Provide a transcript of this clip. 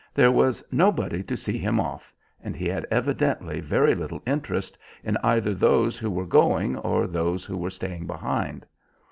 There was nobody to see him off, and he had evidently very little interest in either those who were going or those who were staying behind.